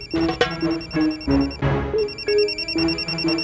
patrick yang masih tidak hidup